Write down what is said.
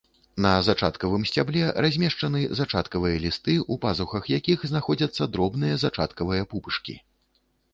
На зачаткавым сцябле размешчаны зачаткавыя лісты, у пазухах якіх знаходзяцца дробныя зачаткавыя пупышкі.